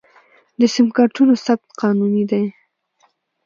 د سم کارتونو ثبت قانوني دی؟